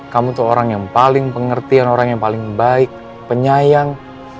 kamu tuh orang yang paling pengertian orang yang paling baik penyayang